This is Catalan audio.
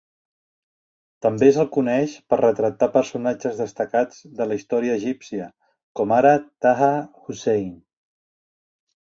També se'l coneix per retratar personatges destacats de la història egípcia, com ara Taha Hussein.